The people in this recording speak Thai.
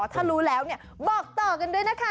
ถ้ารู้แล้วบอกต่อกันด้วยนะคะ